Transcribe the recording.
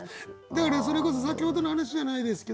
だからそれこそ先ほどの話じゃないですけど「打ち上げ花火」